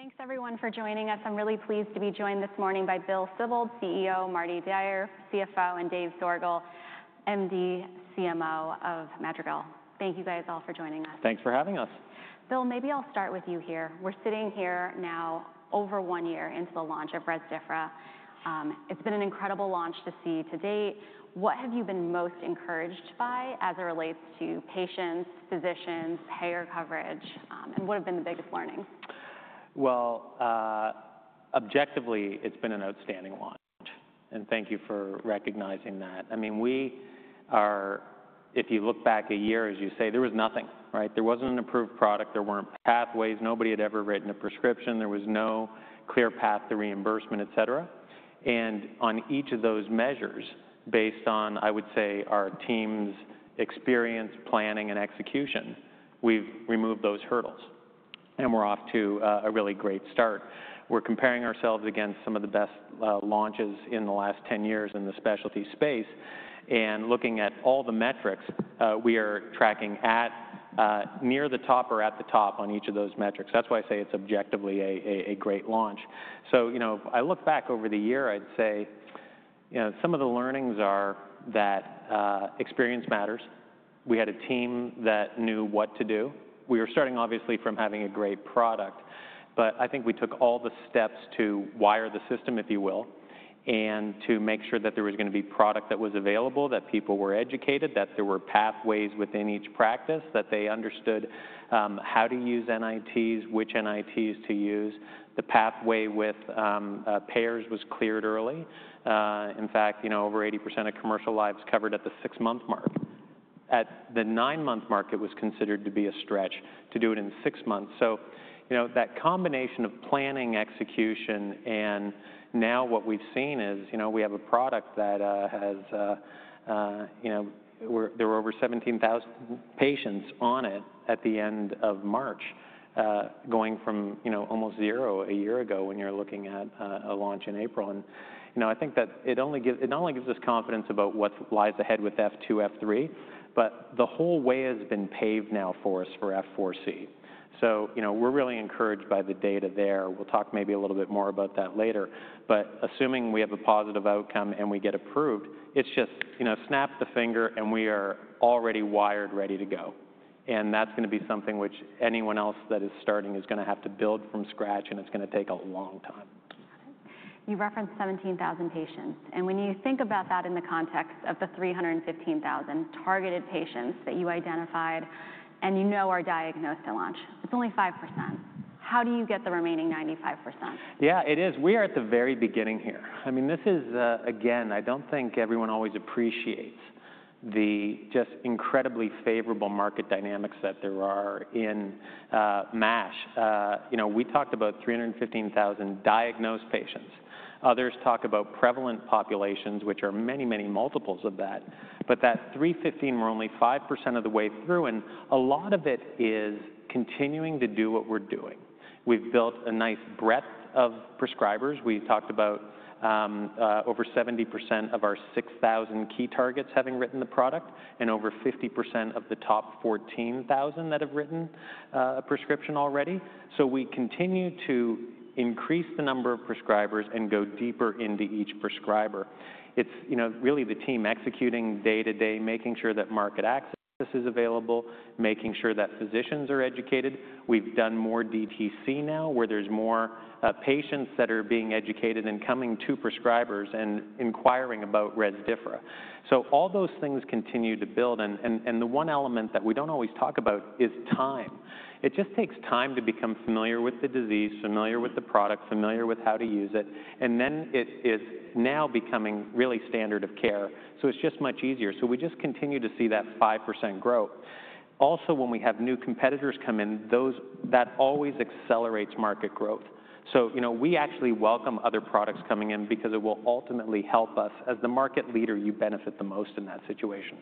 Great. Thanks, everyone, for joining us. I'm really pleased to be joined this morning by Bill Sibold, CEO, Mardi Dier, CFO, and Dave Soergel, MD, CMO of Madrigal. Thank you guys all for joining us. Thanks for having us. Bill, maybe I'll start with you here. We're sitting here now over one year into the launch of Rezdiffra. It's been an incredible launch to see to date. What have you been most encouraged by as it relates to patients, physicians, payer coverage, and what have been the biggest learnings? Objectively, it's been an outstanding launch, and thank you for recognizing that. I mean, we are, if you look back a year, as you say, there was nothing, right? There wasn't an approved product. There weren't pathways. Nobody had ever written a prescription. There was no clear path to reimbursement, et cetera. On each of those measures, based on, I would say, our team's experience, planning, and execution, we've removed those hurdles, and we're off to a really great start. We're comparing ourselves against some of the best launches in the last 10 years in the specialty space, and looking at all the metrics, we are tracking at near the top or at the top on each of those metrics. That's why I say it's objectively a great launch. You know, if I look back over the year, I'd say, you know, some of the learnings are that experience matters. We had a team that knew what to do. We were starting, obviously, from having a great product, but I think we took all the steps to wire the system, if you will, and to make sure that there was going to be product that was available, that people were educated, that there were pathways within each practice, that they understood how to use NITs, which NITs to use. The pathway with payers was cleared early. In fact, you know, over 80% of commercial lives covered at the six-month mark. At the nine-month mark, it was considered to be a stretch to do it in six months. You know, that combination of planning, execution, and now what we've seen is, you know, we have a product that has, you know, there were over 17,000 patients on it at the end of March, going from, you know, almost zero a year ago when you're looking at a launch in April. You know, I think that it only gives us confidence about what lies ahead with F2, F3, but the whole way has been paved now for us for F4C. You know, we're really encouraged by the data there. We'll talk maybe a little bit more about that later, but assuming we have a positive outcome and we get approved, it's just, you know, snap the finger and we are already wired, ready to go. That is going to be something which anyone else that is starting is going to have to build from scratch, and it is going to take a long time. Got it. You referenced 17,000 patients, and when you think about that in the context of the 315,000 targeted patients that you identified and you know are diagnosed to launch, it's only 5%. How do you get the remaining 95%? Yeah, it is. We are at the very beginning here. I mean, this is, again, I do not think everyone always appreciates the just incredibly favorable market dynamics that there are in MASH. You know, we talked about 315,000 diagnosed patients. Others talk about prevalent populations, which are many, many multiples of that, but that 315,000, we are only 5% of the way through, and a lot of it is continuing to do what we are doing. We have built a nice breadth of prescribers. We talked about over 70% of our 6,000 key targets having written the product and over 50% of the top 14,000 that have written a prescription already. We continue to increase the number of prescribers and go deeper into each prescriber. It is, you know, really the team executing day to day, making sure that market access is available, making sure that physicians are educated. We've done more DTC now where there's more patients that are being educated and coming to prescribers and inquiring about Rezdiffra. All those things continue to build, and the one element that we don't always talk about is time. It just takes time to become familiar with the disease, familiar with the product, familiar with how to use it, and then it is now becoming really standard of care. It's just much easier. We just continue to see that 5% growth. Also, when we have new competitors come in, that always accelerates market growth. You know, we actually welcome other products coming in because it will ultimately help us as the market leader. You benefit the most in that situation.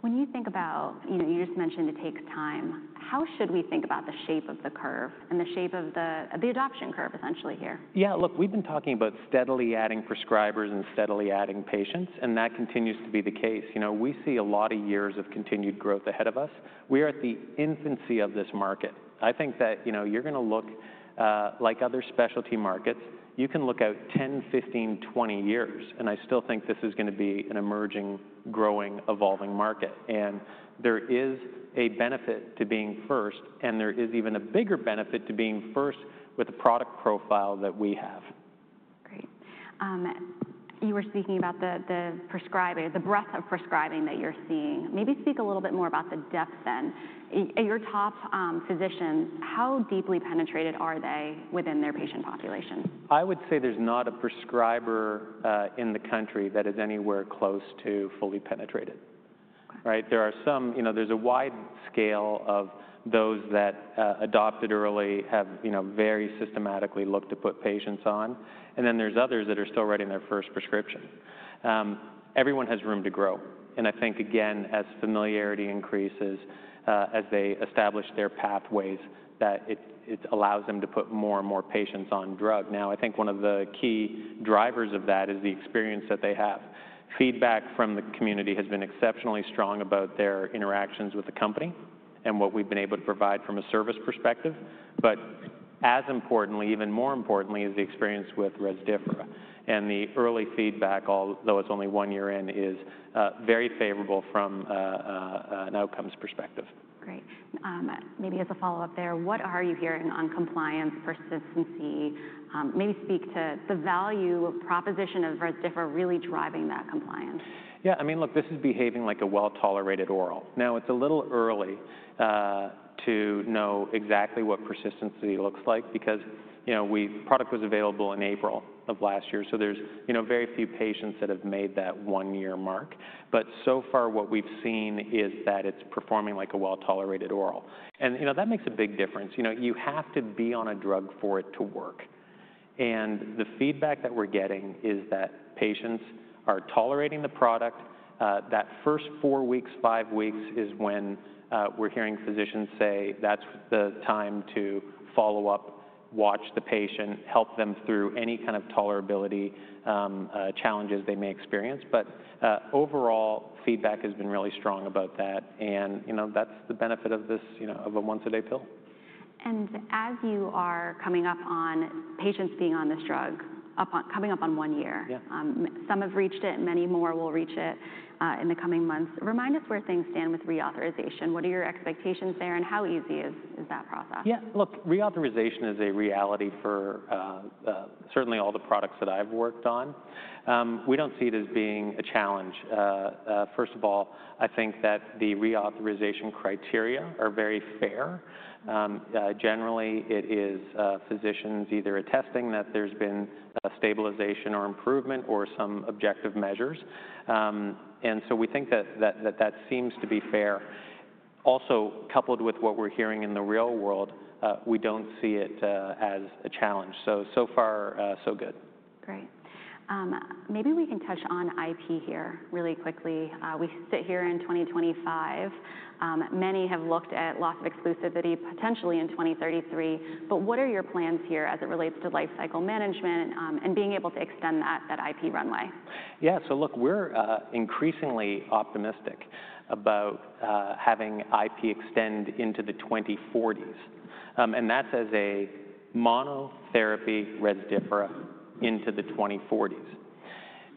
When you think about, you know, you just mentioned it takes time, how should we think about the shape of the curve and the shape of the adoption curve essentially here? Yeah, look, we've been talking about steadily adding prescribers and steadily adding patients, and that continues to be the case. You know, we see a lot of years of continued growth ahead of us. We are at the infancy of this market. I think that, you know, you're going to look like other specialty markets. You can look out 10, 15, 20 years, and I still think this is going to be an emerging, growing, evolving market, and there is a benefit to being first, and there is even a bigger benefit to being first with the product profile that we have. Great. You were speaking about the breadth of prescribing that you're seeing. Maybe speak a little bit more about the depth then. Your top physicians, how deeply penetrated are they within their patient population? I would say there's not a prescriber in the country that is anywhere close to fully penetrated, right? There are some, you know, there's a wide scale of those that adopted early, have, you know, very systematically looked to put patients on, and then there's others that are still writing their first prescription. Everyone has room to grow, and I think, again, as familiarity increases, as they establish their pathways, that it allows them to put more and more patients on drug. Now, I think one of the key drivers of that is the experience that they have. Feedback from the community has been exceptionally strong about their interactions with the company and what we've been able to provide from a service perspective, but as importantly, even more importantly, is the experience with Rezdiffra, and the early feedback, although it's only one year in, is very favorable from an outcomes perspective. Great. Maybe as a follow-up there, what are you hearing on compliance, persistency? Maybe speak to the value proposition of Rezdiffra really driving that compliance. Yeah, I mean, look, this is behaving like a well-tolerated oral. Now, it's a little early to know exactly what persistency looks like because, you know, the product was available in April of last year, so there's, you know, very few patients that have made that one-year mark, but so far what we've seen is that it's performing like a well-tolerated oral, and, you know, that makes a big difference. You know, you have to be on a drug for it to work, and the feedback that we're getting is that patients are tolerating the product. That first four weeks, five weeks is when we're hearing physicians say that's the time to follow up, watch the patient, help them through any kind of tolerability challenges they may experience, but overall, feedback has been really strong about that, and, you know, that's the benefit of this, you know, of a once-a-day pill. As you are coming up on patients being on this drug, coming up on one year, some have reached it, many more will reach it in the coming months. Remind us where things stand with reauthorization. What are your expectations there, and how easy is that process? Yeah, look, reauthorization is a reality for certainly all the products that I've worked on. We don't see it as being a challenge. First of all, I think that the reauthorization criteria are very fair. Generally, it is physicians either attesting that there's been a stabilization or improvement or some objective measures, and so we think that that seems to be fair. Also, coupled with what we're hearing in the real world, we don't see it as a challenge. So far, so good. Great. Maybe we can touch on IP here really quickly. We sit here in 2025. Many have looked at loss of exclusivity potentially in 2033, but what are your plans here as it relates to lifecycle management and being able to extend that IP runway? Yeah, so look, we're increasingly optimistic about having IP extend into the 2040s, and that's as a monotherapy Rezdiffra into the 2040s.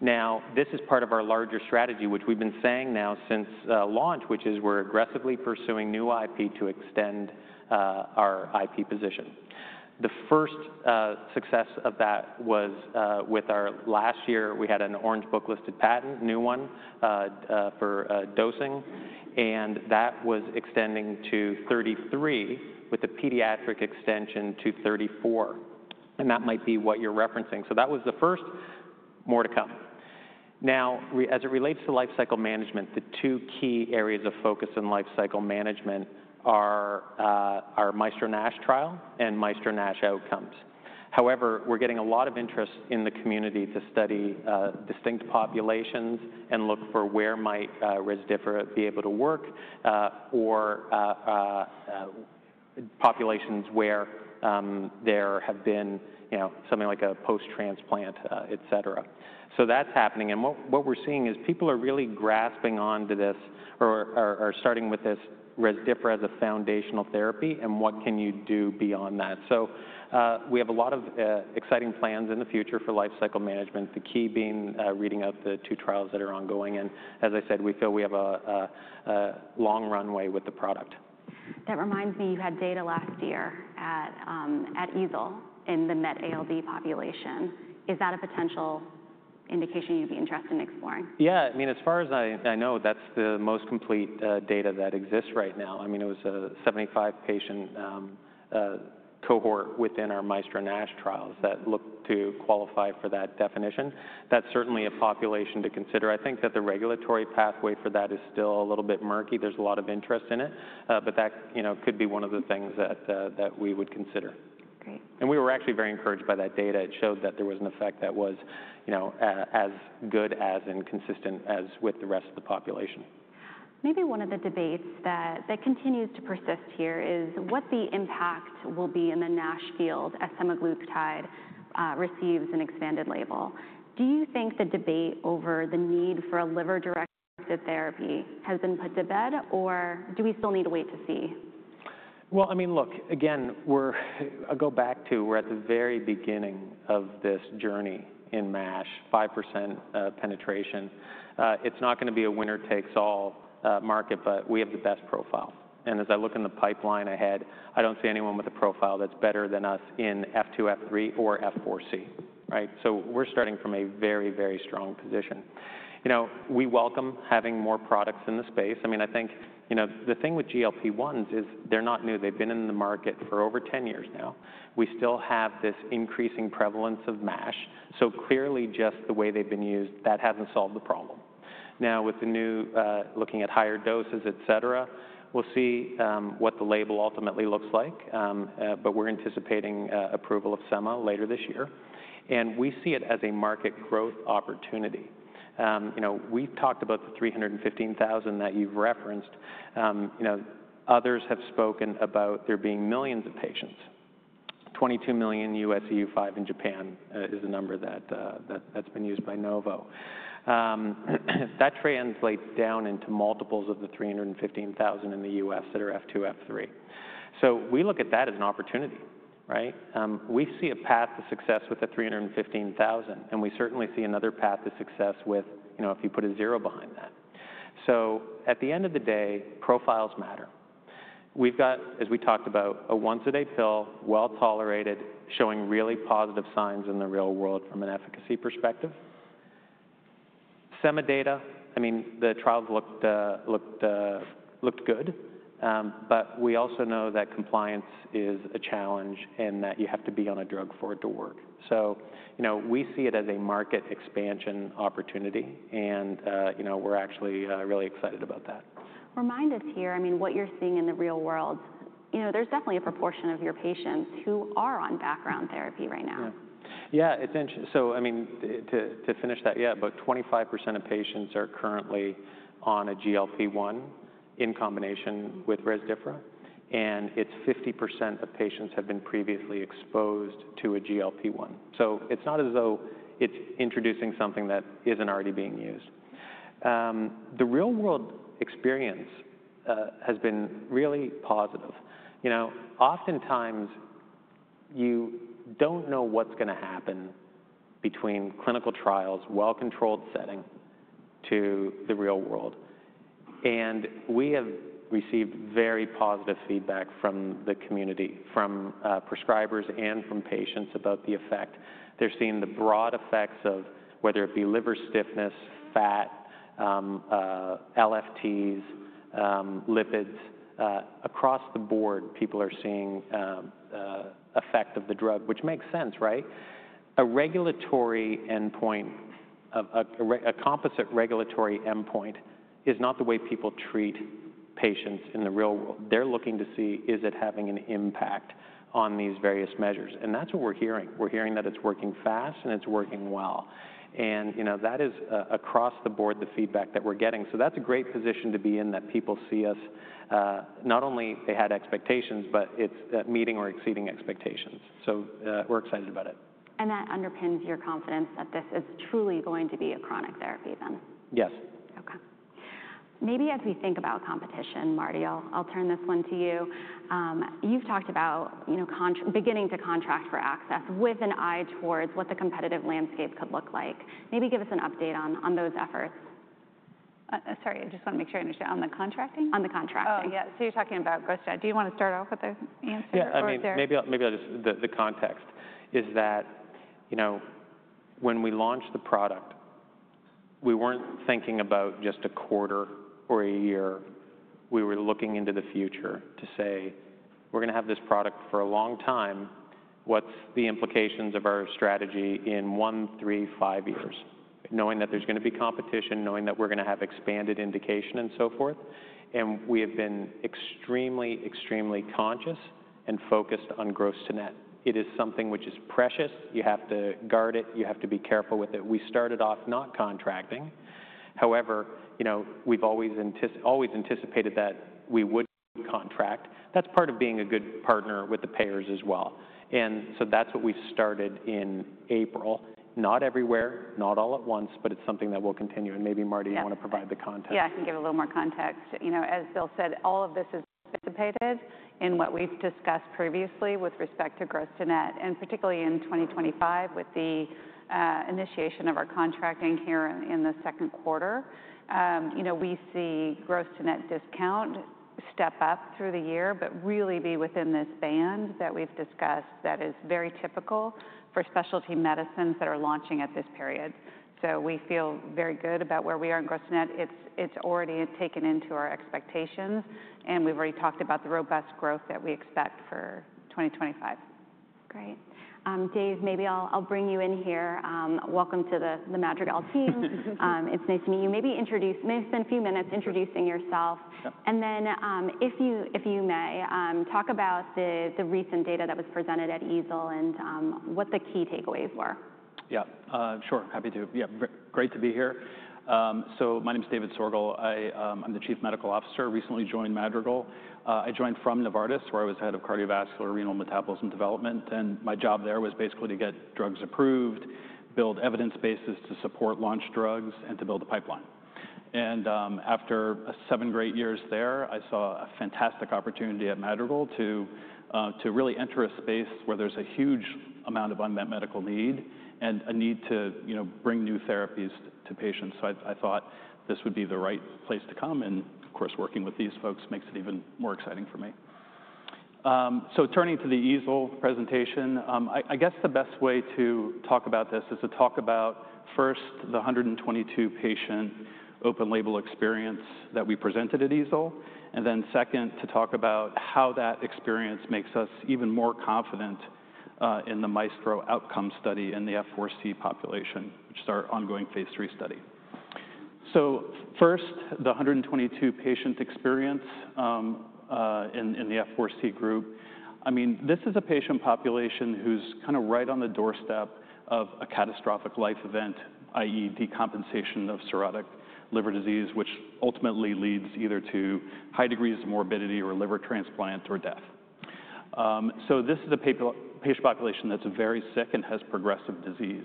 Now, this is part of our larger strategy, which we've been saying now since launch, which is we're aggressively pursuing new IP to extend our IP position. The first success of that was with our last year. We had an Orange Book listed patent, new one for dosing, and that was extending to 2033 with a pediatric extension to 2034, and that might be what you're referencing. So that was the first, more to come. Now, as it relates to lifecycle management, the two key areas of focus in lifecycle management are our MAESTRO-NASH trial and MAESTRO-NASH OUTCOMES. However, we're getting a lot of interest in the community to study distinct populations and look for where might Rezdiffra be able to work or populations where there have been, you know, something like a post-transplant, et cetera. That is happening, and what we're seeing is people are really grasping on to this or are starting with this Rezdiffra as a foundational therapy and what can you do beyond that. We have a lot of exciting plans in the future for lifecycle management, the key being reading out the two trials that are ongoing, and as I said, we feel we have a long runway with the product. That reminds me, you had data last year at EASL in the MetALD population. Is that a potential indication you'd be interested in exploring? Yeah, I mean, as far as I know, that's the most complete data that exists right now. I mean, it was a 75-patient cohort within our MAESTRO-NASH trials that looked to qualify for that definition. That's certainly a population to consider. I think that the regulatory pathway for that is still a little bit murky. There's a lot of interest in it, but that, you know, could be one of the things that we would consider. Great. We were actually very encouraged by that data. It showed that there was an effect that was, you know, as good as and consistent as with the rest of the population. Maybe one of the debates that continues to persist here is what the impact will be in the NASH field as semaglutide receives an expanded label. Do you think the debate over the need for a liver-directed therapy has been put to bed, or do we still need to wait to see? I mean, look, again, I go back to we're at the very beginning of this journey in MASH, 5% penetration. It's not going to be a winner-takes-all market, but we have the best profile, and as I look in the pipeline ahead, I don't see anyone with a profile that's better than us in F2, F3, or F4C, right? So we're starting from a very, very strong position. You know, we welcome having more products in the space. I mean, I think, you know, the thing with GLP-1s is they're not new. They've been in the market for over 10 years now. We still have this increasing prevalence of MASH, so clearly just the way they've been used, that hasn't solved the problem. Now, with the new looking at higher doses, et cetera, we'll see what the label ultimately looks like, but we're anticipating approval of SEMA later this year, and we see it as a market growth opportunity. You know, we've talked about the 315,000 that you've referenced. You know, others have spoken about there being millions of patients. 22 million U.S., EU5 in Japan is a number that's been used by Novo. That translates down into multiples of the 315,000 in the U.S. that are F2, F3. So we look at that as an opportunity, right? We see a path to success with the 315,000, and we certainly see another path to success with, you know, if you put a zero behind that. At the end of the day, profiles matter. We've got, as we talked about, a once-a-day pill, well-tolerated, showing really positive signs in the real world from an efficacy perspective. SEMA data, I mean, the trials looked good, but we also know that compliance is a challenge and that you have to be on a drug for it to work. You know, we see it as a market expansion opportunity, and, you know, we're actually really excited about that. Remind us here, I mean, what you're seeing in the real world, you know, there's definitely a proportion of your patients who are on background therapy right now. Yeah, it's interesting. I mean, to finish that, yeah, but 25% of patients are currently on a GLP-1 in combination with Rezdiffra, and it's 50% of patients have been previously exposed to a GLP-1. It's not as though it's introducing something that isn't already being used. The real-world experience has been really positive. You know, oftentimes you don't know what's going to happen between clinical trials, well-controlled setting, to the real world, and we have received very positive feedback from the community, from prescribers and from patients about the effect. They're seeing the broad effects of whether it be liver stiffness, fat, LFTs, lipids. Across the board, people are seeing the effect of the drug, which makes sense, right? A regulatory endpoint, a composite regulatory endpoint, is not the way people treat patients in the real world. They're looking to see, is it having an impact on these various measures? That's what we're hearing. We're hearing that it's working fast and it's working well, and, you know, that is across the board the feedback that we're getting. That's a great position to be in, that people see us not only they had expectations, but it's meeting or exceeding expectations. We're excited about it. That underpins your confidence that this is truly going to be a chronic therapy then? Yes. Okay. Maybe as we think about competition, Mardi, I'll turn this one to you. You've talked about, you know, beginning to contract for access with an eye towards what the competitive landscape could look like. Maybe give us an update on those efforts. Sorry, I just want to make sure I understand. On the contracting? Oh, yeah. So you're talking about go-start. Do you want to start off with the answer? Yeah, I mean, maybe I'll just, the context is that, you know, when we launched the product, we weren't thinking about just a quarter or a year. We were looking into the future to say, we're going to have this product for a long time. What's the implications of our strategy in one, three, five years? Knowing that there's going to be competition, knowing that we're going to have expanded indication and so forth, and we have been extremely, extremely conscious and focused on gross to net. It is something which is precious. You have to guard it. You have to be careful with it. We started off not contracting. However, you know, we've always anticipated that we would contract. That's part of being a good partner with the payers as well, and so that's what we started in April. Not everywhere, not all at once, but it's something that will continue, and maybe, Mardi, you want to provide the context? Yeah, I can give a little more context. You know, as Bill said, all of this is anticipated in what we've discussed previously with respect to gross to net, and particularly in 2025 with the initiation of our contracting here in the second quarter. You know, we see gross to net discount step up through the year, but really be within this band that we've discussed that is very typical for specialty medicines that are launching at this period. We feel very good about where we are in gross to net. It's already taken into our expectations, and we've already talked about the robust growth that we expect for 2025. Great. Dave, maybe I'll bring you in here. Welcome to the Madrigal team. It's nice to meet you. Maybe introduce, maybe spend a few minutes introducing yourself, and then if you may, talk about the recent data that was presented at EASL and what the key takeaways were. Yeah, sure. Happy to. Yeah, great to be here. So my name is David Soergel. I'm the Chief Medical Officer, recently joined Madrigal. I joined from Novartis where I was head of cardiovascular renal metabolism development, and my job there was basically to get drugs approved, build evidence bases to support launch drugs, and to build a pipeline. After seven great years there, I saw a fantastic opportunity at Madrigal to really enter a space where there's a huge amount of unmet medical need and a need to, you know, bring new therapies to patients. I thought this would be the right place to come, and of course, working with these folks makes it even more exciting for me. Turning to the EASL presentation, I guess the best way to talk about this is to talk about first the 122 patient open label experience that we presented at EASL, and then second to talk about how that experience makes us even more confident in the MAESTRO OUTCOME study in the F4C population, which is our ongoing phase III study. First, the 122 patient experience in the F4C group, I mean, this is a patient population who's kind of right on the doorstep of a catastrophic life event, i.e., decompensation of cirrhotic liver disease, which ultimately leads either to high degrees of morbidity or liver transplant or death. This is a patient population that's very sick and has progressive disease,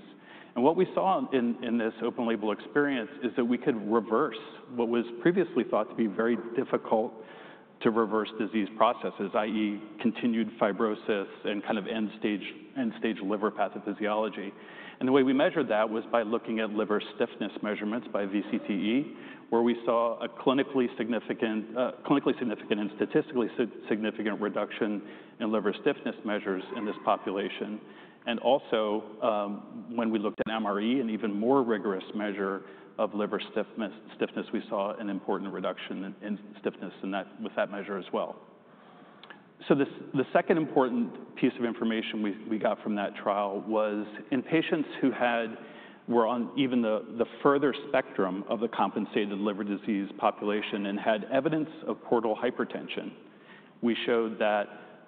and what we saw in this open label experience is that we could reverse what was previously thought to be very difficult to reverse disease processes, i.e., continued fibrosis and kind of end-stage liver pathophysiology. The way we measured that was by looking at liver stiffness measurements by VCTE, where we saw a clinically significant and statistically significant reduction in liver stiffness measures in this population. Also, when we looked at MRE, an even more rigorous measure of liver stiffness, we saw an important reduction in stiffness with that measure as well. The second important piece of information we got from that trial was in patients who were on even the further spectrum of the compensated liver disease population and had evidence of portal hypertension. We showed that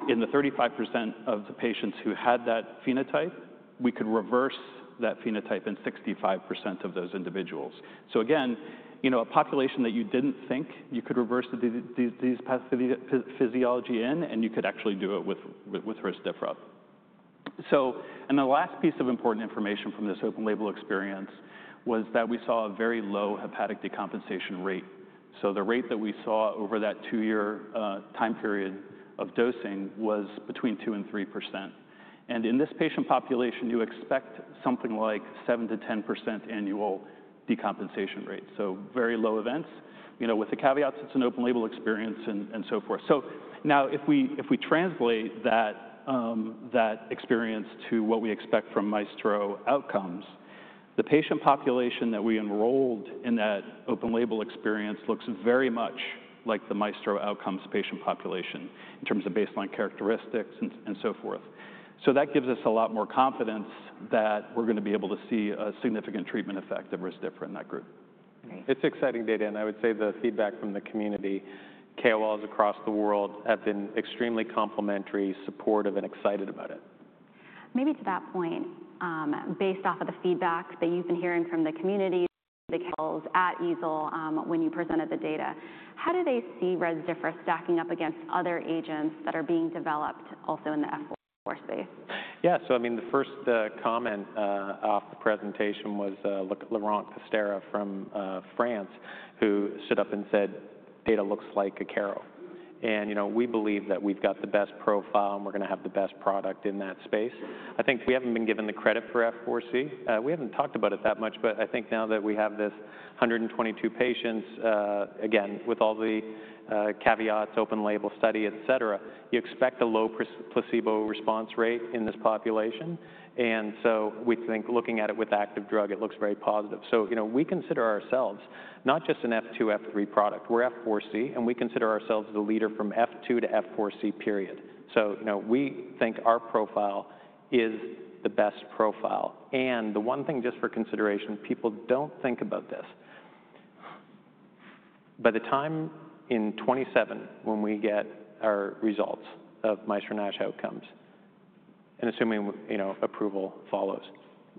in the 35% of the patients who had that phenotype, we could reverse that phenotype in 65% of those individuals. So again, you know, a population that you did not think you could reverse these pathophysiology in, and you could actually do it with Rezdiffra. So, and the last piece of important information from this open label experience was that we saw a very low hepatic decompensation rate. So the rate that we saw over that two-year time period of dosing was between 2 and 3%, and in this patient population, you expect something like 7-10% annual decompensation rate. So very low events, you know, with the caveats it is an open label experience and so forth. If we translate that experience to what we expect from MAESTRO OUTCOMES, the patient population that we enrolled in that open label experience looks very much like the MAESTRO OUTCOMES patient population in terms of baseline characteristics and so forth. That gives us a lot more confidence that we're going to be able to see a significant treatment effect of Rezdiffra in that group. It's exciting data, and I would say the feedback from the community, [came] across the world, have been extremely complimentary, supportive, and excited about it. Maybe to that point, based off of the feedback that you've been hearing from the community, the at EASL when you presented the data, how do they see Rezdiffra stacking up against other agents that are being developed also in the F4 space? Yeah, so I mean, the first comment off the presentation was Laurent Castera from France, who stood up and said, "Data looks like a carrot," and, you know, we believe that we've got the best profile and we're going to have the best product in that space. I think we haven't been given the credit for F4C. We haven't talked about it that much, but I think now that we have this 122 patients, again, with all the caveats, open label study, et cetera, you expect a low placebo response rate in this population, and so we think looking at it with active drug, it looks very positive. You know, we consider ourselves not just an F2, F3 product. We're F4C, and we consider ourselves the leader from F2 to F4C, period. So, you know, we think our profile is the best profile, and the one thing just for consideration, people don't think about this. By the time in 2027, when we get our results of MAESTRO-NASH OUTCOMES, and assuming, you know, approval follows,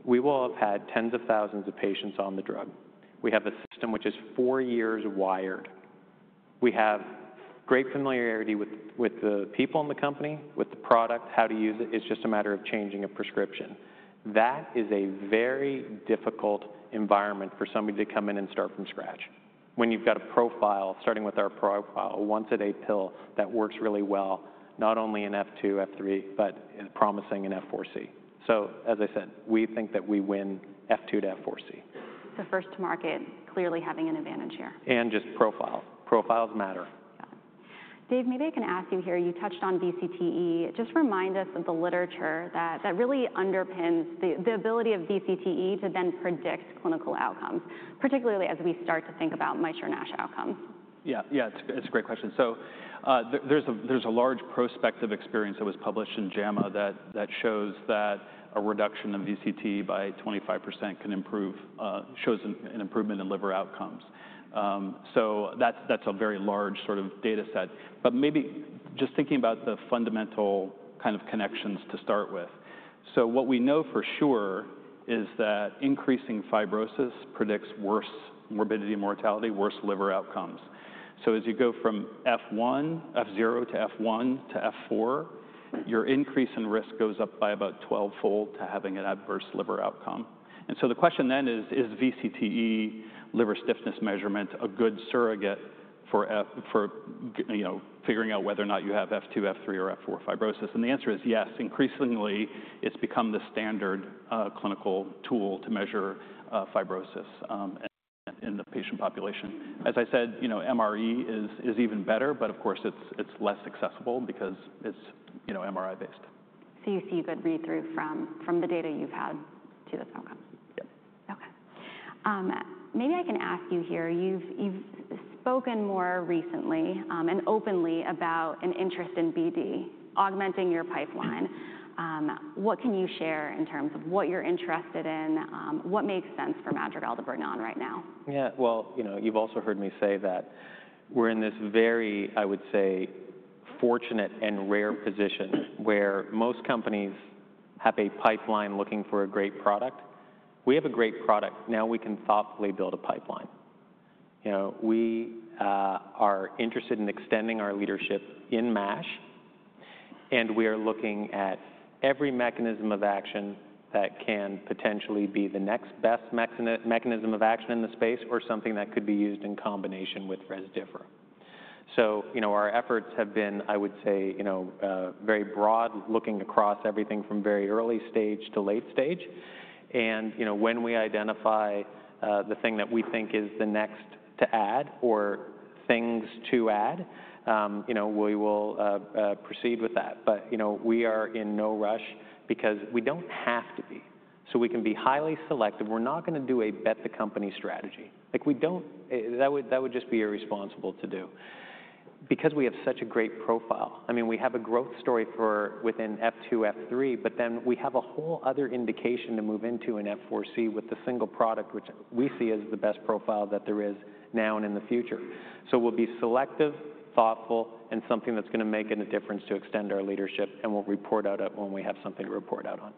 we will have had tens of thousands of patients on the drug. We have a system which is four years wired. We have great familiarity with the people in the company, with the product, how to use it. It's just a matter of changing a prescription. That is a very difficult environment for somebody to come in and start from scratch when you've got a profile, starting with our profile, a once-a-day pill that works really well, not only in F2, F3, but promising in F4C. So, as I said, we think that we win F2 to F4C. First to market, clearly having an advantage here. Profiles matter. Yeah. Dave, maybe I can ask you here, you touched on VCTE. Just remind us of the literature that really underpins the ability of VCTE to then predict clinical outcomes, particularly as we start to think about MAESTRO-NASH OUTCOMES. Yeah, yeah, it's a great question. There's a large prospective experience that was published in JAMA that shows that a reduction of VCTE by 25% shows an improvement in liver outcomes. That's a very large sort of data set, but maybe just thinking about the fundamental kind of connections to start with. What we know for sure is that increasing fibrosis predicts worse morbidity, mortality, worse liver outcomes. As you go from F0 to F1 to F4, your increase in risk goes up by about 12-fold to having an adverse liver outcome. The question then is, is VCTE liver stiffness measurement a good surrogate for, you know, figuring out whether or not you have F2, F3, or F4 fibrosis? The answer is yes. Increasingly, it's become the standard clinical tool to measure fibrosis in the patient population. As I said, you know, MRE is even better, but of course, it's less accessible because it's, you know, MRI-based. You see a good read-through from the data you've had to this outcome? Yeah. Okay. Maybe I can ask you here, you've spoken more recently and openly about an interest in BD, augmenting your pipeline. What can you share in terms of what you're interested in? What makes sense for Madrigal to bring on right now? Yeah, you know, you've also heard me say that we're in this very, I would say, fortunate and rare position where most companies have a pipeline looking for a great product. We have a great product. Now we can thoughtfully build a pipeline. You know, we are interested in extending our leadership in MASH, and we are looking at every mechanism of action that can potentially be the next best mechanism of action in the space or something that could be used in combination with Rezdiffra. You know, our efforts have been, I would say, very broad looking across everything from very early stage to late stage, and, you know, when we identify the thing that we think is the next to add or things to add, you know, we will proceed with that. You know, we are in no rush because we do not have to be. We can be highly selective. We are not going to do a bet-the-company strategy. Like, we do not, that would just be irresponsible to do because we have such a great profile. I mean, we have a growth story for within F2, F3, but then we have a whole other indication to move into an F4C with the single product, which we see as the best profile that there is now and in the future. We will be selective, thoughtful, and something that is going to make a difference to extend our leadership, and we will report out when we have something to report out on.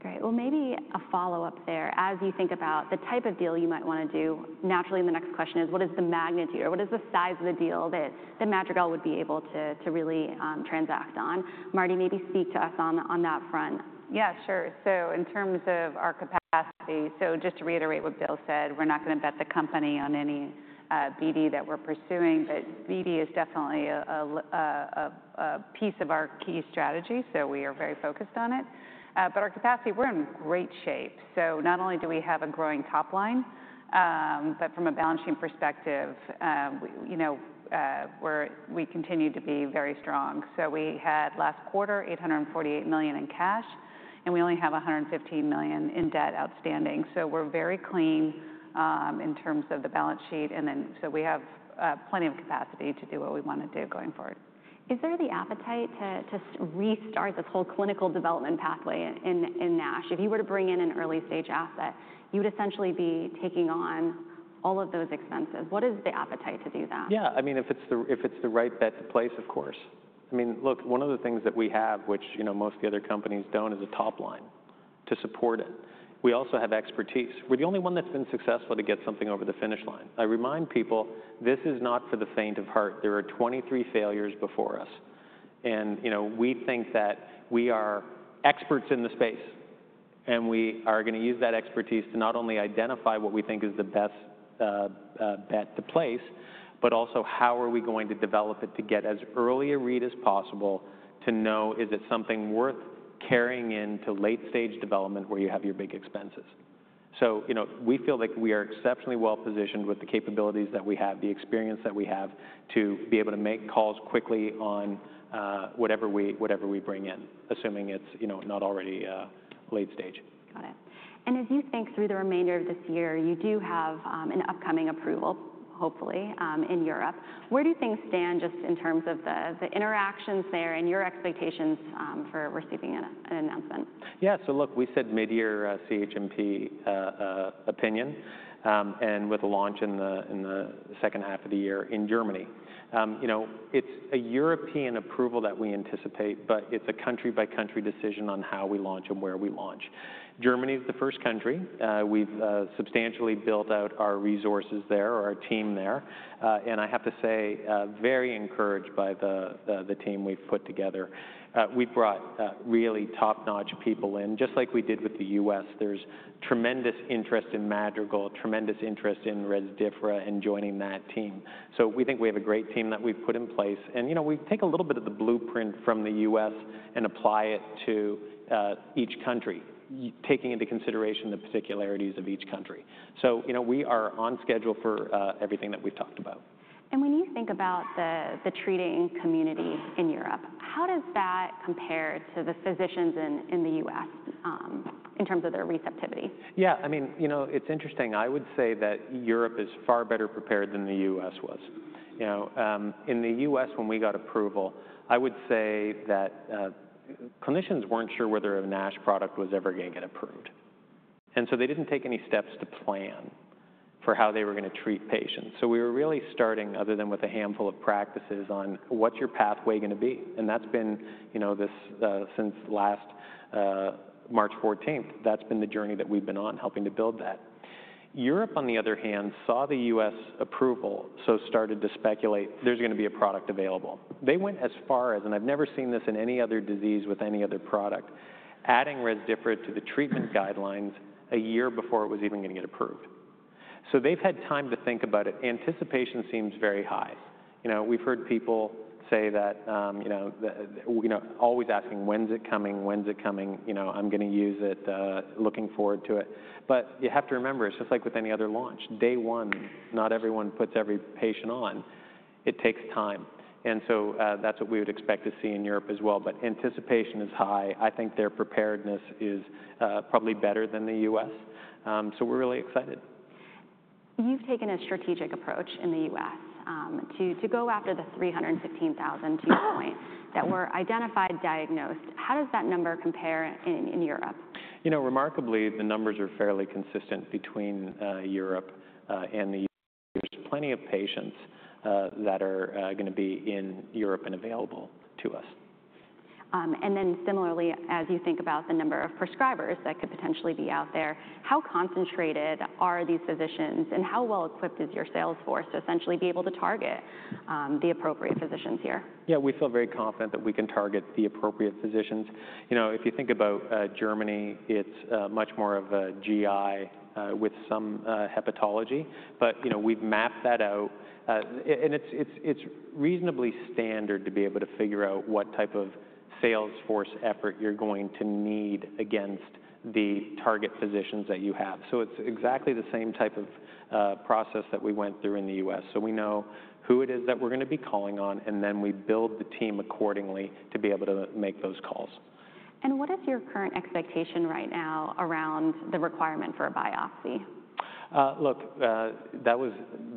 Great. Maybe a follow-up there, as you think about the type of deal you might want to do, naturally, the next question is, what is the magnitude or what is the size of the deal that Madrigal would be able to really transact on? Mardi, maybe speak to us on that front. Yeah, sure. In terms of our capacity, just to reiterate what Bill said, we're not going to bet the company on any BD that we're pursuing, but BD is definitely a piece of our key strategy, so we are very focused on it. Our capacity, we're in great shape. Not only do we have a growing top line, but from a balance sheet perspective, you know, we continue to be very strong. We had last quarter $848 million in cash, and we only have $115 million in debt outstanding. We're very clean in terms of the balance sheet, and we have plenty of capacity to do what we want to do going forward. Is there the appetite to restart this whole clinical development pathway in NASH? If you were to bring in an early stage asset, you would essentially be taking on all of those expenses. What is the appetite to do that? Yeah, I mean, if it's the right bet to place, of course. I mean, look, one of the things that we have, which, you know, most of the other companies do not, is a top line to support it. We also have expertise. We are the only one that has been successful to get something over the finish line. I remind people, this is not for the faint of heart. There are 23 failures before us, and, you know, we think that we are experts in the space, and we are going to use that expertise to not only identify what we think is the best bet to place, but also how are we going to develop it to get as early a read as possible to know, is it something worth carrying into late stage development where you have your big expenses? You know, we feel like we are exceptionally well positioned with the capabilities that we have, the experience that we have to be able to make calls quickly on whatever we bring in, assuming it's, you know, not already late stage. Got it. As you think through the remainder of this year, you do have an upcoming approval, hopefully, in Europe. Where do things stand just in terms of the interactions there and your expectations for receiving an announcement? Yeah, so look, we said mid-year CHMP opinion and with a launch in the second half of the year in Germany. You know, it's a European approval that we anticipate, but it's a country-by-country decision on how we launch and where we launch. Germany is the first country. We've substantially built out our resources there, our team there, and I have to say, very encouraged by the team we've put together. We've brought really top-notch people in, just like we did with the U.S. There's tremendous interest in Madrigal, tremendous interest in Rezdiffra and joining that team. We think we have a great team that we've put in place, and, you know, we take a little bit of the blueprint from the U.S. and apply it to each country, taking into consideration the particularities of each country. So, you know, we are on schedule for everything that we've talked about. When you think about the treating community in Europe, how does that compare to the physicians in the U.S. in terms of their receptivity? Yeah, I mean, you know, it's interesting. I would say that Europe is far better prepared than the U.S. was. You know, in the U.S., when we got approval, I would say that clinicians weren't sure whether a NASH product was ever going to get approved, and so they didn't take any steps to plan for how they were going to treat patients. So we were really starting, other than with a handful of practices, on what's your pathway going to be, and that's been, you know, since last March 14, that's been the journey that we've been on helping to build that. Europe, on the other hand, saw the U.S. approval, so started to speculate there's going to be a product available. They went as far as, and I've never seen this in any other disease with any other product, adding Rezdiffra to the treatment guidelines a year before it was even going to get approved. So they've had time to think about it. Anticipation seems very high. You know, we've heard people say that, you know, always asking, when's it coming? When's it coming? You know, I'm going to use it, looking forward to it. But you have to remember, it's just like with any other launch. Day one, not everyone puts every patient on. It takes time, and so that's what we would expect to see in Europe as well. But anticipation is high. I think their preparedness is probably better than the U.S., so we're really excited. You've taken a strategic approach in the U.S. to go after the 316,000, to your point, that were identified, diagnosed. How does that number compare in Europe? You know, remarkably, the numbers are fairly consistent between Europe and the U.S. There's plenty of patients that are going to be in Europe and available to us. Similarly, as you think about the number of prescribers that could potentially be out there, how concentrated are these physicians, and how well equipped is your sales force to essentially be able to target the appropriate physicians here? Yeah, we feel very confident that we can target the appropriate physicians. You know, if you think about Germany, it is much more of a GI with some hepatology, but, you know, we have mapped that out, and it is reasonably standard to be able to figure out what type of sales force effort you are going to need against the target physicians that you have. It is exactly the same type of process that we went through in the U.S. We know who it is that we are going to be calling on, and then we build the team accordingly to be able to make those calls. What is your current expectation right now around the requirement for a biopsy? Look, that was,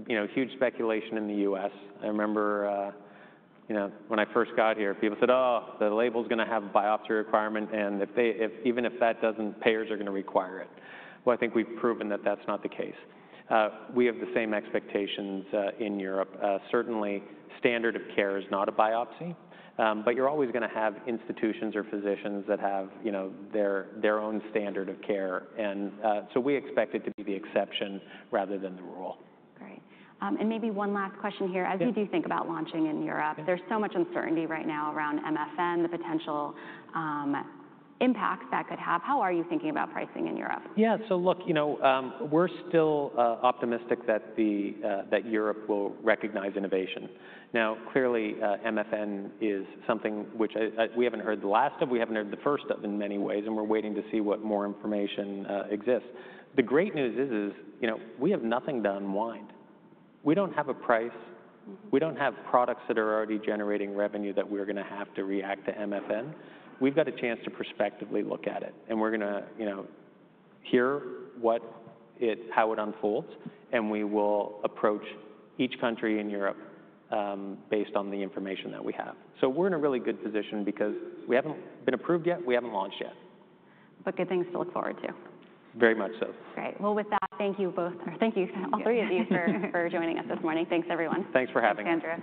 you know, huge speculation in the U.S. I remember, you know, when I first got here, people said, oh, the label's going to have a biopsy requirement, and if they, even if that doesn't, payers are going to require it. I think we've proven that that's not the case. We have the same expectations in Europe. Certainly, standard of care is not a biopsy, but you're always going to have institutions or physicians that have, you know, their own standard of care, and so we expect it to be the exception rather than the rule. Great. Maybe one last question here. As you do think about launching in Europe, there's so much uncertainty right now around MFN, the potential impacts that could have. How are you thinking about pricing in Europe? Yeah, so look, you know, we're still optimistic that Europe will recognize innovation. Now, clearly, MFN is something which we haven't heard the last of, we haven't heard the first of in many ways, and we're waiting to see what more information exists. The great news is, you know, we have nothing to unwind. We don't have a price. We don't have products that are already generating revenue that we're going to have to react to MFN. We've got a chance to prospectively look at it, and we're going to, you know, hear how it unfolds, and we will approach each country in Europe based on the information that we have. We're in a really good position because we haven't been approved yet. We haven't launched yet. Good things to look forward to. Very much so. Great. With that, thank you both, or thank you all three of you for joining us this morning. Thanks, everyone. Thanks for having us.